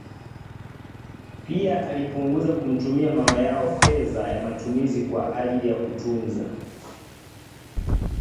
pia alipunguza kumtumia mama yao fedha za matumizi kwa ajili ya kutunza